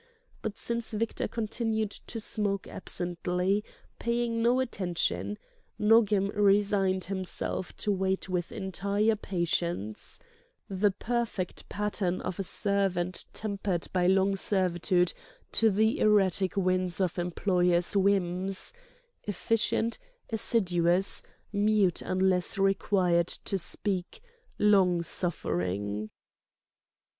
But since Victor continued to smoke absently, paying no attention, Nogam resigned himself to wait with entire patience: the perfect pattern of a servant tempered by long servitude to the erratic winds of employers' whims; efficient, assiduous, mute unless required to speak, long suffering.